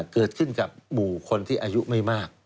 เกิดขึ้นกับหมู่คนที่อายุไม่มาก